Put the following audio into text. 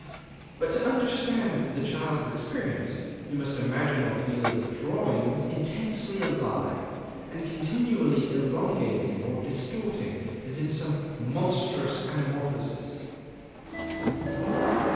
But to understand the Child's experience, you must imagine Orfila's drawings intensely alive, and continually elongating or distorting, as in some monstrous anamorphosis.